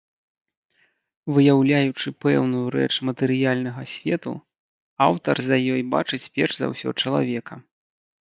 Выяўляючы пэўную рэч матэрыяльнага свету, аўтар за ёй бачыць перш за ўсё чалавека.